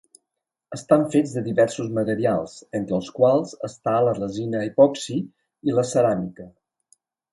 Estan fets de diversos materials, entre els quals està la resina epoxi i la ceràmica.